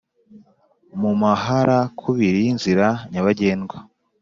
mu maharakubiri y'inzira nyabagendwa